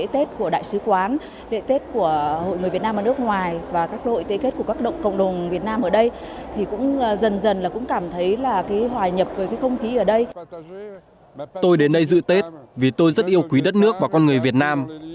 tôi đến đây dự tết vì tôi rất yêu quý đất nước và con người việt nam